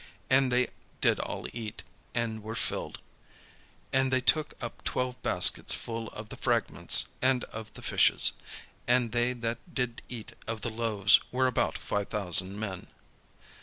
And they did all eat, and were filled. And they took up twelve baskets full of the fragments, and of the fishes. And they that did eat of the loaves were about five thousand men.